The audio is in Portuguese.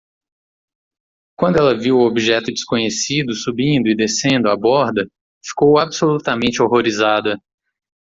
Quando ela viu o objeto desconhecido subindo e descendo a borda?, ficou absolutamente horrorizada.